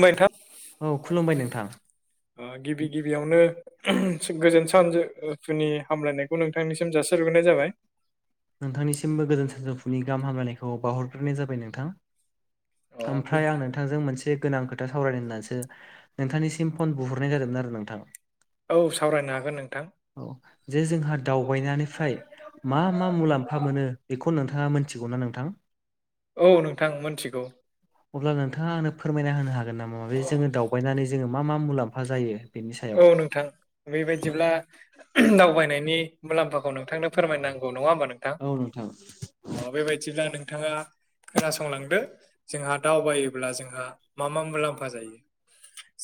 खुलुमबाय नोंथां औ खुलुमबाय नोंथां। गिबि गिबियावनो गोजोन सानजौफुनि हामलायनायखौ नोंथांनिसिम जासारग्रोनाय जाबाय। नोंथांनिसिमबो गोजोन सानजौफुनि गाहाम हामलायनायखौ बावहरग्रोनाय जाबाय नोंथां। अ ओमफ्राय आं नोंथांजों मोनसे गोनां खोथा सावरायनो होननानैसो नोंथांनिसिम फन बुहरनाय जादोंमोन आरो नोंथां औ सावरायनो हागोन नोंथां औ जे जोंहा दावबायनायनिफ्राय मा मा मुलाम्फा मोनो बेखौ नोंथाङा मोनथिगौना नोंथां। औ नोंथां मोनथिगौ। अब्ला नोंथाङा आंनो फोरमायना होनो हागोन नामा मे जोङो दावबायनानै जोङो मा मा मुलाम्फा जायो। बेनि सायाव औ नोंथां बेबायाददिब्ला दावबायनायनि मुलाम्फाखौ नोंथांनो फोरमायनांगौ नङा होमबा नोंथां औ नोंथां अ बेबायदिब्ला नोंथाङा खोनासंलांदो जोंहा दावबायोब्ला जोंहा मा मा मुलाम्फा जायो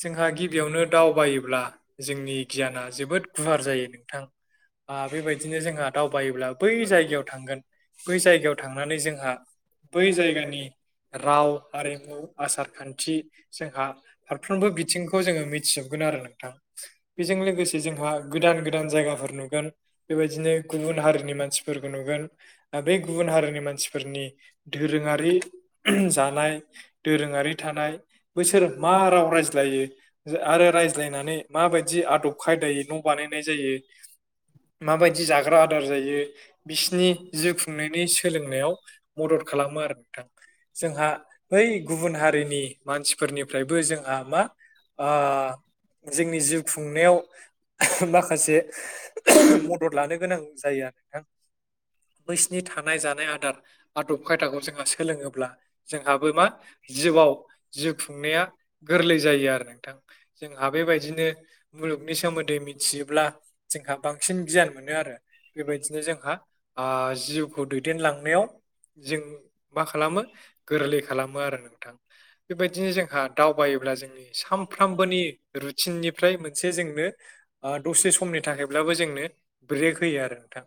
जोंहा गिबियावनो दावबायोब्ला जोंनि गियाना जोबोद गुवार जायो नोंथां। बेबायदिनो जोंहा दावबायोब्ला बै जायगायाव थांगोन बै जायगायाव थां‌ थांनानै जोंहा बै जायगानि राव हारिमु आसार खान्थि जोंहा फारफ्रोमबो बिथिंखौ जोङो मिथि गोन आरो। नोंथां। बेजों लोगोसे जोंहा गोदान गोदान जायगाफोर नुगोन बेबायदिनो गुबुन हारिनि मानसि फोरखौ नुगोन बेै गुबुन हारिनि मानसिफोरनि दोरोङारि जानाय दोरोङारि थानाय बोसोर मा राव रायज्लायो आरो रायज्ला नानै माबायदि आदब खायदायै न' बानायनाय जायो। माबायदि जाग्रा आदार जायो। बिसिनि जिउ खुंनायनि सोलोंनायाव मदद खालामो आरो नोंथां। जोंहा बै गुबुन हारिनि मानसिफोरनिफ्रायबो जोंहा मा आ जोंनि जिउ खुंनायाव माखासे [inaudible] मदद लानो गोनां जायो आरो हा। बैसनि थानाय जानाय आदार आदब खायदाखौ जोंहा सोलोङोब्ला जोंहाबो मा जिउआव जिउ खुंनाया गोरलै जायो आरो नोंथां। जोंहा बेबायदिनो मुलुगनि सोमोन्दै मिथियोब्ला जोंहा बांसिन गियान मोनो आरो। बेबायदिनो जोंहा आ जिउखौ दैदेनलांनायाव जों मा खालामो गोरलै खालामो आरो नोंथां बेबायदिनो जोंहा। दावबायोब्ला जोंनि सानफ्रामबोनि रुथिननिफ्राय मोनसे जोंनो आ दसे समनि थाखायब्लाबो जोंनो ब्रेक होयो आरो नोंथां।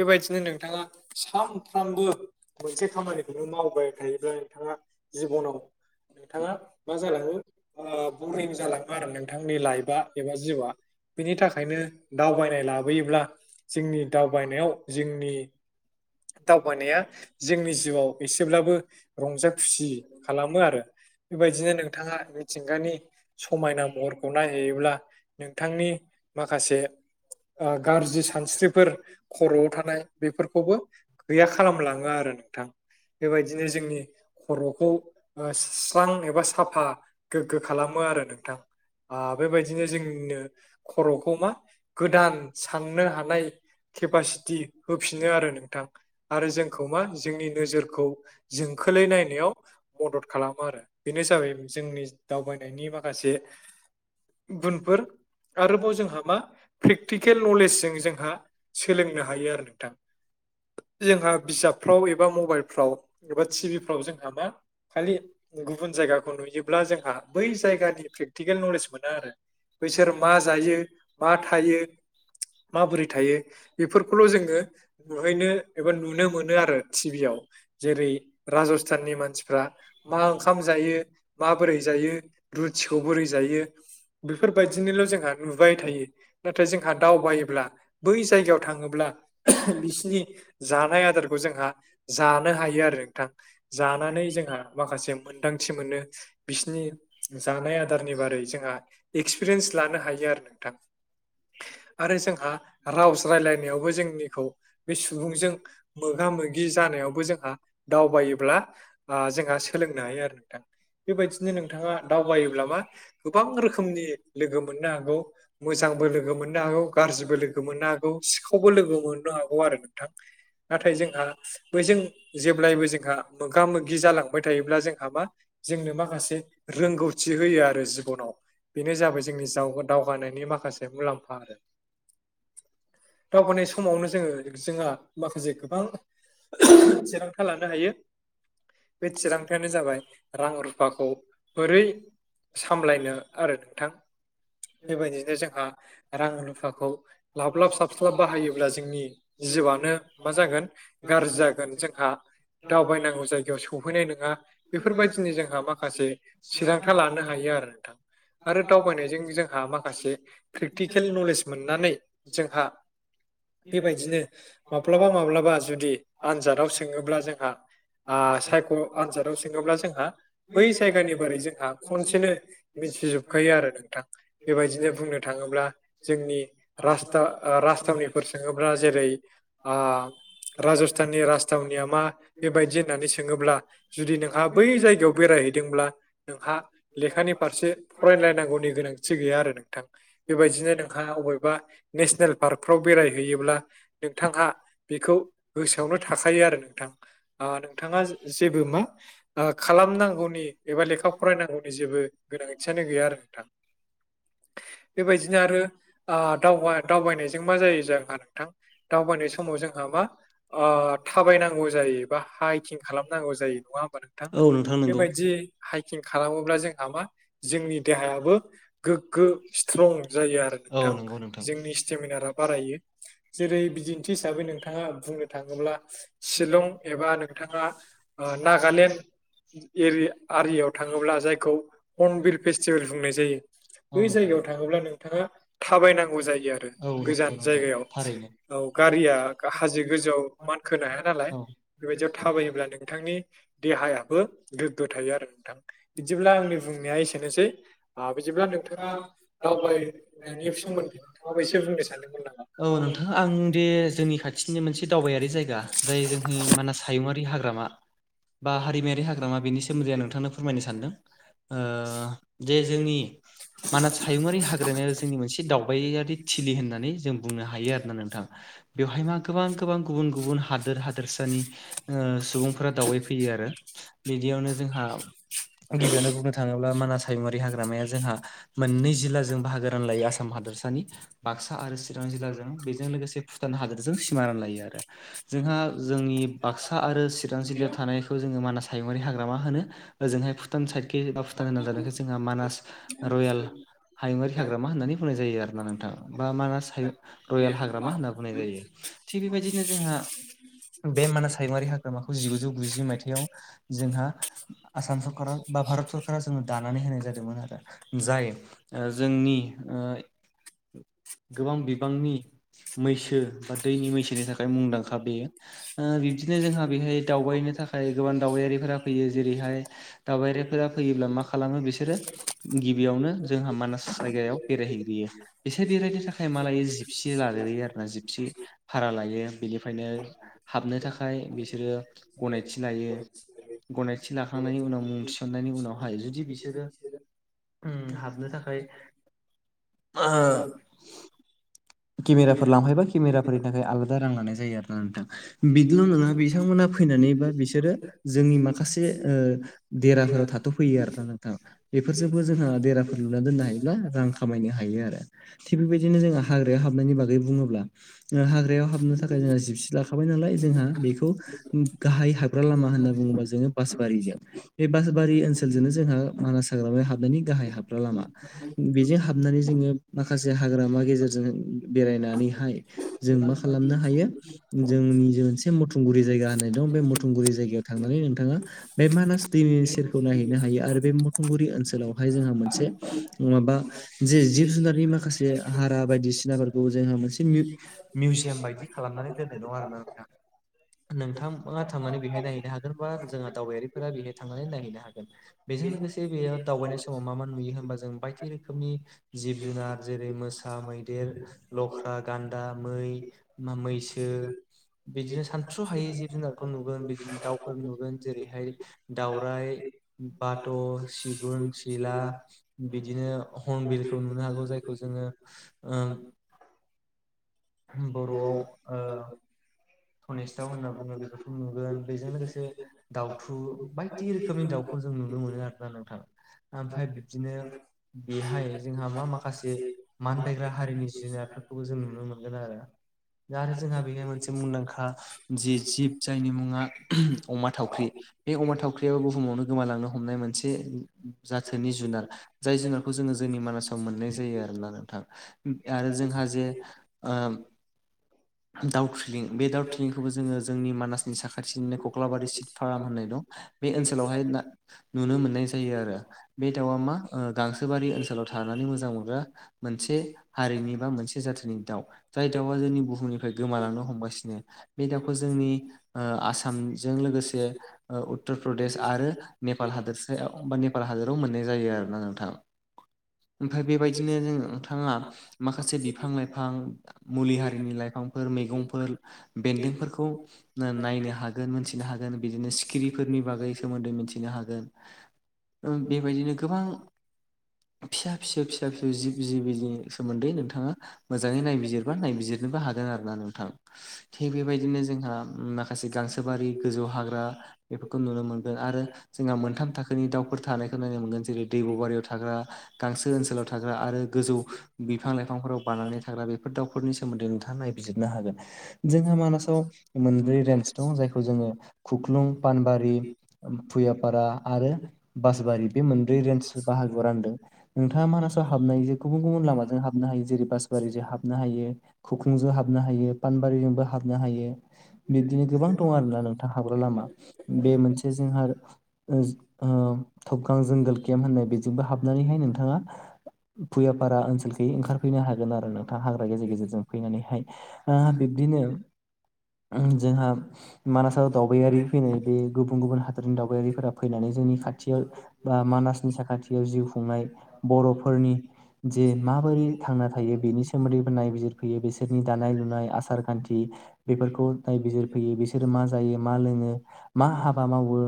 बेबायदिनो नोंथाङा सानफ्रामबो मोनसे खामानिखौनो मावबाय थायोब्ला नोंथाङा जिबनाव नोंथाङा मा जालाङो ओ बरिं जालाङो आरो नोंथांनि लाइफ बा एबा जिउआ बेनि थाखायनो दावबायनाय लाबोयोब्ला जोंनि दावबायनायाव जोंनि दावबायानाया जोंनि जिउआव एसेब्लाबो रंजा खुसि खालामो आरो बेबायदिनो नोंथाङा मिथिंगानि समायना महरखौ नायहैयोब्ला नोंथांनि माखासे ओ गाज्रि सानस्रिफोर खर'आव थानाय बेफोरखौबो गैया खालामलाङो आरो नोंथां। बेबायदिनो जोंनि खर'खौ ओ स सालां एबा साफा गोग्गो खालामो आरो नोंथां। आ बेबायदिनो जोंनो खर'खौ मा गोदान साननो हानाय केपासिटि होफिनो आरो नोंथां। आरो जोंखौ मा जोंनि नोजोरखौ जोंखोलै नायनायाव मदद खालामो आरो बेनो जाबाय जोंनि दावबायनायनि बा माखासे गुनफोर। आरोबाव जोंहा मा प्रेक्टिकेल नलेजजों जोंहा सोलोंनो हायो आरो नोंथां। जोंहा बिजाबफ्राव एबा मबाइलफ्राव एबा टिभिफ्राव जोंहा मा। खालि गुबुन जायगाखौ नुयोब्ला जोंहा बै जायगानिफ्रि टिकेल नलेज मोना आरो बैसोर मा जायो मा थायो। माबोरै थायो बेफोरखौल' जोङो नुहैनो एबा नुनो मोनो आरो टिभि आयाव। जेरै' राजस्थाननि मानसिफ्रा मा ओंखाम जायो माबोरै जायो। रुत्सखौ बोरै जायो। बेफोरबायदिनोल' जोंहा नुबाय थायो नाथाय जोंहा दावबायोब्ला बै जायगायाव थाङोब्ला बिसिनि जानाय आदारखौ जोंहा जानो हायो आरो नोंथां। जानानै जोंहा माखासे मोनदांथि मोनो बिसिनि जानाय आदारनि बारै जोंहा एक्सपिरियेन्स लानो हायो आरो नोंथां। आरो जोंहा रावज रायलायनायावबो जोंनिखौ बे सुबुंजों मोगा मोगि जानायावबो जोंहा दावबायोब्ला आ जोंहा सोलोंनो हायो आरो नोंथां। बेबायदिनो नोंथाङा। दावबायोब्ला मा गोबां रोखोमनि लोगो मोननो हागौ। मोजांबो लोगो मोननो हागौ। गाज्रिबो लोगो मोननो हागौ। सिखावबो लोगो मोननो हागौ। आरो नोंथां। नाथाय जोंहा बैजों जेब्लायबो जोंहा मोगा मोगि जालांबाय थायोब्ला जोंहा मा जोंनो माखासे रोंगौथि होयो आरो। जिबनाव बेनो जाबाय जोंनि जावगोन दावगानायनि माखासे मुलाम्फा आरो। [inaudible] दावबायानाय समावनो जोङो जोंहा माखासे गोबां थिरांथा लानो हायो बे थिरांथायानो जाबाय रां रुफाखौ बोरै सामलायनो आरो नोंथां बेबायदिनो जोंहा रां रुफाखौ लाब लाब साब बा बाहायोब्ला जोंनि जिउआनो मा जागोन गाज्रि जागोन जोंहा दावबायनांगौ जायगायाव सहैनाय नङा बेफोरबायदिनि जोंहा माखासे थिरांथा लानो नो ह आरो नोंथां आरो दावबायनायजों जोंहा माखासे प्रेक्टिकेल नलेज मोननानै जोंहा बेबायदिनो माब्लाबा माब्लाबा जुदि आनजादाव सोङोब्ला जोंहा सायख' आनजादाव सोङोब्ला जोंहा बै जायगानि बोरै जोंहा खनसेनो मिथिजोबखायो आरो नोंथां बेबायदिनो बुंनो थाङोब्ला जोंनि आाथावनिफोर सोङोब्ला जेरै राजस्थाननि राजथावनिया मा बेबायदि होननानै सोङोब्ला जुदि नोंहा बै जायगायाव बेरायहैदों फदोंब्ला नोंहा लेखानि फारसे फरायलायनांगौनि गोनांथि गैया आरो नोंथां बेबायदिनो नोंहा अबेबा नेसनेल पार्कफ्राव बेरायहैयोब्ला नोंथांहा बेखौ गोसोआवनो थाखायो आरो नोंथां नोंथाङा जेबो मा खालामनांगौनि एबा लेखा फरायनांगौनि जेबो गोनांथियानो गैया आरो नोंथां बेबायदिनो आरो दाव दावबायनायसै मा ज जहा नोंथां दावनाय समाव जोंहा मा थाबायनांगौ जायो बा हाइकं खालामनांगौ जायो नङा हबा नोंथां औ नोंथां नंगौ बेबायदि हाइकं खालामोब्ला जोंहा मा जोंनि देहायाबो गोग्गो स्ट्रं जायो औ आरो नंगौ नोंथां जोंनि बारायो जेरै बिदिन्थि हिसाबै नोंथाङा बुंनो थाङोब्ला शिलं एबा नोंथाङा नागालेण्डरि आरियाव थाङोब्ला जायखौ पर्नबिल फेस्टिभेल बुंनाय जायो औ बै नोंथां जायगायाव थाङोब्ला नोंथाङा थाबायनांगौ जायो आरो औ नंगौ गोजान नोंथां जायगायाव थारैनो औ गारिया हाजो गोजौआव मानखोनो हाया नालाय औ बेबायदियाव थाबायोब्ला नोंथांनि देहायाबो गोग्गो थायो आरो नोंथां बिदिब्ला आंनि बुंनाया एसेनोसै बिदिब्ला नोंथाङा दावबायनायनि सोम मोन्दों औ नोंथां आं दे जोंनि खाथिनि मोनसे दावबायारि जायगा जाय जोंङो मानास हायुंङारि हाग्रामा बा हारिमायारि हाग्रामा बेनि सोमोन्दै आं नोंथांनो फोरमायनो सानदों जे जोंनि मानास हायुङारि हाग्रामाया जोंनि मोनसे दावबायारि लि होननानै जों बुंनो हायो आरो ना नोंथां बेवहाय मा गोबां गोबां गुबुन गुबुन हादोर हादोरसानि सुबुंफोरा दावबायफैयो आरो बिदियावनो जोंहा गिबियावनो बुंनो थाङोब्ला मानास हायमुआारि हाग्रामाया जोंहा मोननै जिल्लाजों बाहागो रानलायो आसाम हादोरसानि बाक्सा आरो चिरां जिल्लाजों बेजों लोगोसे भुटान हादोरजों सिमा रान लायो आरो जोंहा जोंनि बाक्सा आरो चिरां जिल्लायाव थानायखौ जोङो मानास हायुंङरारि हाग्रामा होनो ओजोंहाय भुटान साइदख बा भुटान होनां जानायखाय जोंहा मानास रयेल हायुङारि हाग्रामा होननानै बुंनाय जायो आर ना नोंथाङा बा मानास रयेल हाग्रामा होनना बुंनाय जायो थिग बेबायदिनो जोंहा बे मानास हायुङारि हाग्रामाखौ जिगुजौ गुजि मायथाइयाव जोंहा आसाम सरका बा भारत सरकारा जोङो दानानै होनाय जादोंमोन आरो जाय जोंनि गोबां बिबांनि मैसो बा दैनि मैसोनि थाखाय मुंदांखा बेयो बिब्दिनो जोंहा बेहाय दावबायनो थाखाय गोबां दावबायारिफोरा फैयो जेरैहाय दावबायारिफोरा फैयोब्ला मा खालामो बिसोरो गिबियावनो जोंहा मानास जायगायाव बेरायहैग्रयो बिसोर बेरायनो थाखाय मालाय जि जिपसि लाग्रोयो आरोना जिपसि भारा लायो बेनिफ्रायनो हाबनो थाखाय बिसोरो गनायथि लायो गनायथि लाखांनायनि उनाव मुं थिसन्नायनि उनावहाय जुदि बिसोरो ओ हाबनो थाखाय [unintelligible] केमेराफोर लांफायोबा केमेराफोरनि थाखाय आलादा रां लानाय जायो आरोना नोंथां बिदिल' नङा बिथांमोना फैनानै बा बिसोरो जोंनि माखासे ओ देराफोराव थाथ'फैयो आरोना नोंथां बेफोरजोंबो जोंहा देराफोर लुना दोननो हायोब्ला रां खामायनो हायो आरो थिग बेबायदिनो जोंहा हाग्रायाव हाबनायनि बागै बुङोब्ला हाग्रायाव हाबनो थाखाय जोंहा जिबसि लाखाबाय नालाय जोंहा बेखौ गाहाय हाबग्रा लामा होनना बुङोबा जोङो बासबारिजों बे बासबारि ओनसोलजोंनो जोंहा मानास हाग्रामायाव हाबनायनि गाहाय हाबग्रा लामा बेजों हाबनानै जोङो माखासे हाग्रामा गेजेरजों बेरायनानैहाय जों मा खालामनो हायो जोंनि जे मोनसे मथुंगुरि जायगा होननाय दं बे मथुंगुरि जायगायाव थांनानै नोंथाङा बे मानास दैनि सेरखौ नायहैनो हायो आरो बे मथुंगुरि ओनसोलावहाय जोंहा मोनसे माबा जे जिब जुनारनि माखासे हारा [unintelligible] सिनाफोरखौबो जोंहा मोनसे मिउजियाम बायदि खालामनानै दोननाय दङ आरोना नोंथां नोंथांङा थांनानै बेहाय नायहैनो हागोन बा जोंहा दावबायारिफोरा बेहाय थांनानै नायहैनो हागोन बेजों लोगोसे बेयो दावबायनाय समाव मा मा नुयो होनबा जों बायदि रोखोमनि जिब जुनार जेरै मोसा मै गिदेर लख्रा गान्दा मै मैसो बिदिनो सान स' हायै जिब जुनारखौ नुगोन बिदिनो दाउ फोर नुगोन जेरैहाय दावराइ बाथ' सिगुन सिला बिदिनो हर्नबिलखौ नुनो हागौ जायखौ जोङो बर'आव ओ धनेस दाउ होनना बुङो बेफोरखौ नुगोन बेजों लोगोसे दाउथु बायदि रोखोमनि दाउखौ जों नुनो मोनो आरोना नोंथां ओमफ्राय बिब्दिनो बेहाय जोंहा मा माखासे मानबायायग्रा हारिनि जुनारफोरखौबो जों नुनो मोनगोन आरो दा आरो जोंहा बेहाय मोनसे मुंदांखा जि जिब जायनि मुङा अमा थावख्रि बे अमा थावख्रियाबो बुहुमावनो गोमालांनो हमनाय मोनसे जाथोनि जुनार जाय जुनारखौ जोङो जोंनि मानासाव मोननाय जायो आरोना नोंथां आरो जोंहा जे ओ दाउ ट्रिलिं बे दाउ ट्रिलिंखौबो जोङो जोंनि मानासनि साखाथिनिनो कख्लाबारि सिट फार्म होननाय दं बे ओनसोलावहाय नुनो मोननाय जायो आरो बे दाउआ मा गांसोबारि ओनसोलाव थानानै मोजां मोनग्रा मोनसे हारिनि बा मोनसे जाथिनि दाउ जाय दाउआ जोंनि बुहुमनिफ्राय गोमालांनो हमगासिनो बे दाउखौ जोंनि ओ आसामजों लोगोसे उत्तर प्रदेश आरो नेपाल हादोरसायाव बा नेपाल हादोराव मोननाय जायो आरोना नोंथां ओमफ्राय बेबायदिनो जों नोंथाङा माखासे बिफां लाइफां मुलि हारिनि लाइफां फोर मैगंफोर बेन्दोंफोरखौ नायनो हागोन मोनथिनो हागोन बिदिनो सिखिरिफोरनि बागै सोमोन्दै मिथिनो हागोन बेबायदिनो गोबां फिसा फिसौ फिसा फिसौ जिब जिबिनि सोमोन्दै नोंथाङा मोजाङै नायबिजिरबा नायबिजिरनोबो हादों आरो ना नोंथां थिग बेबायदिनो जोंहा माखासे गांसोबारि गोजौ हाग्रा बेफोरखौ नुनो मोनगोन आरो। जोंहा मोनथाम थाखोनि दाउफोर थानायखौ नायनो मोनगोन जेरै दैब' बारियाव थाग्रा। गांसो ओनसोलाव थाग्रा आरो गोजौ बिफां लाइफांफोराव बानानै थाग्रा बेफोर दावफोरनि सोमोन्दै नोंथां ङा नायबिजिरनो हागोन। जोंहा मानासाव मोनब्रै रेन्स दं जायखौ जोङो खुख्लुं पानबारि। भुयापारा आरो बासबारि बे मोनब्रै रेन्ज बाहागोआव रानदों। नोंथाङा मानासाव हाबनाय जे गुबुन गुबुन लामाजों हाबनो हायो जेरै बासबारिजों हाबनो हायो। खुख्लुंजों हाबनो हायो पानबारिजोंबो हाबनो हायो। बिबदिनो गोबां दं आरोना नोंथां हाबग्रा लामा बे मोनसे जोंहा। ओ जो ओ थबगां जों गोल केम्प होननाय बेजोंबो हाबनानैहाय नोंथाङा। भुयापारा ओनसोलखि ओंखारफैनो हागोन आरो नोंथां हाग्रा गेजेर गेजेरजों। बिनिफाय ओ बिब्दिनो ओ जोंहा। मानासाव दावबायारि फैनाय बे गुबुन गुबुन हादरनि दावबायारिफोरा फैनानै जोंनि खाथियाव। बा मानासनि साखाथियाव जिउ खुंनाय बर'फोरनि जे माबोरै थांना। थायो बेनि सोमोन्दैबो नायबिजिरफैयो बिसोरनि दानाय लुनाय आसार खान्थि। बेफोरखौ नायबिजिरफैयो बिसोरो मा जायो मा लोङो मा हाबा मावो।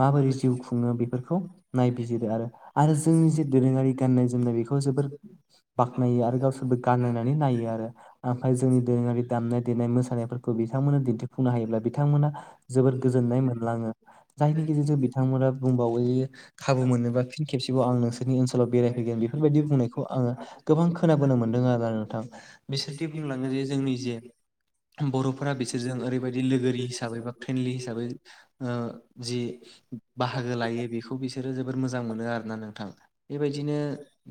माबोरै जिउ खुङो बेफोरखौ। नायबिजिरो आरो आरो जोंनि जे दोरोङारि गाननाय जोमनाय बेखौ जोबोर। बाख्नायो आरो गावसोरबो गाननायनानै नायो आरो। ओमफाय जोंनि दोरोङारि दामनाय देनाय मोसानायफोरखौ बिथांमोना दिन्थिफुंनो हायोब्ला बिथांमोना। जोबोद गोजोननाय मोनलाङो जायनि गेजेरजों बिथांमोना बुंबावो। खाबु मोनोबा फिन खेबसेबाव आं नोंसोरनि ओनसोलाव बेरायफैगोन बेफोरबायदि बुंनायखौ आङो। गोबां खोनाबोनो मोनदों आरो नोंथां बिसोरदि बुंलाङो जे जोंनि जे। बर'फोरा बिसोरजों ओरैबायदि लोगोरि हिसाबै बा फ्रेन्डलि हिसाबै। ओ जि। बाहागो लायो बेखौ बिसोरो जोबोद मोजां मोनो आरोना नोंथां बेबायदिनो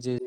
जे।